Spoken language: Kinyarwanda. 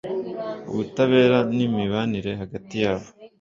ubutabera n’imibanire hagati yabo